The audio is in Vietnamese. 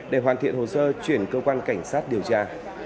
để hoàn thiện hồ sơ chuyển cơ quan cảnh sát điều tra